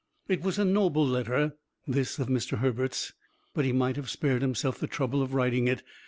It was a noble letter, this of Mr. Herbert's, but he might have spared himself the trouble of writing it.